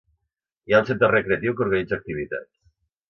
Hi ha un centre recreatiu que organitza activitats.